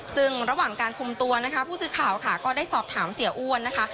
ซึ่งระหว่างการคุมตัวนะคะผู้สื่อข่าวค่ะก็ได้สอบถามเสียอ้วนนะคะ